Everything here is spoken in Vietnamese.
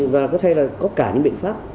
và có thể là có cả những biện pháp